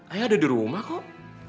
ayah ada di rumah kok